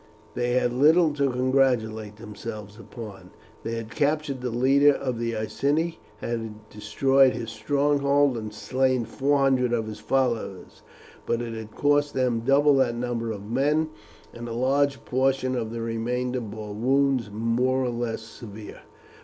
They had little to congratulate themselves upon. They had captured the leader of the Iceni, had destroyed his stronghold and slain four hundred of his followers, but it had cost them double that number of men, and a large portion of the remainder bore wounds more or less severe.